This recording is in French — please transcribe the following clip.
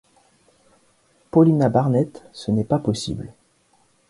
Paulina Barnett, ce n’est pas possible !